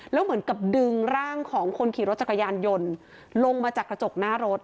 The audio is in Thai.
แล้วเหมือนกับดึงร่างของคนขี่รถจักรยานยนต์ลงมาจากกระจกหน้ารถ